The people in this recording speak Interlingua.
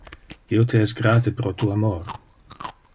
Io te es grate pro tu amor!